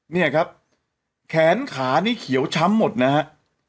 เนี่ยครับแขนขานี่เขียวช้ำหมดนะฮะ